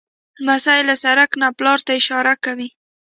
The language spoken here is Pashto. لمسی له سړک نه پلار ته اشاره کوي.